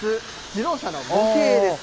自動車の模型です。